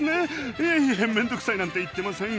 いえいえ面倒くさいなんて言ってません。